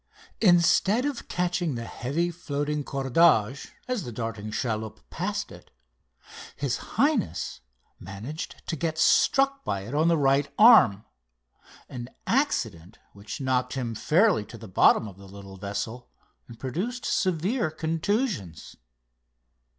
Instead of catching the heavy floating cordage as the darting chaloupe passed it His Highness managed to get struck by it on the right arm, an accident which knocked him fairly to the bottom of the little vessel and produced severe contusions.